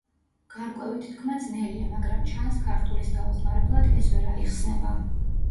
გარკვევით თქმა ძნელია, მაგრამ ჩანს, ქართულის დაუხმარებლად ეს ვერ აიხსნება.